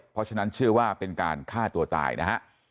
เพราะฉะนั้นเชื่อว่าเป็นการฆ่าตัวตายนะฮะ